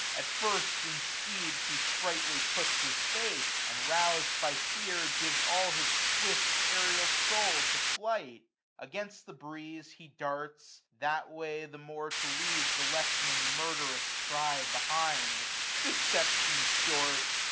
At first, in speed. He, sprightly, puts his faith ; and rous'd by fear. Gives all his swift aerial soul to flight ; 430 Against the breeze he darts, that way the more To leave the lessening murderous cry behind : Deception short